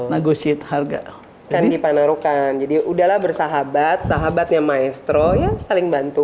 negosiat harga kan dipanarukan jadi udahlah bersahabat sahabatnya maestro yang saling bantu